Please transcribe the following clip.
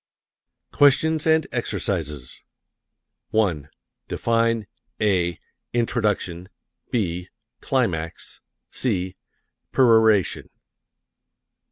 QUESTIONS AND EXERCISES 1. Define (a) introduction; (b) climax; (c) peroration.